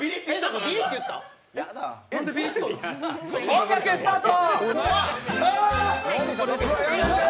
音楽、スタート。